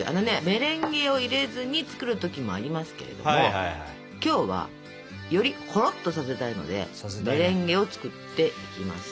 メレンゲを入れずに作る時もありますけれども今日はよりほろっとさせたいのでメレンゲを作っていきます。